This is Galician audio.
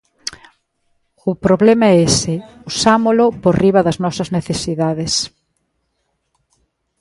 O problema é ese: usámolo por riba das nosas necesidades.